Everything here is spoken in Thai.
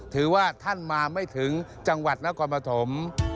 ถือว่าท่านมาไม่ถึงจังหวัดนครปฐม